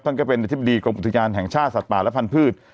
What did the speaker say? ก็เป็นอธิบดีกรมอุทยานแห่งชาติสัตว์ป่าและพันธุ์